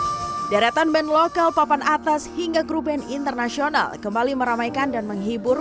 hai deretan band lokal papan atas hingga gruben international kembali meramaikan dan menghibur